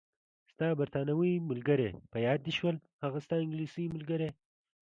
ستا بریتانوي ملګرې، په یاد دې شول؟ هغه ستا انګلیسۍ ملګرې.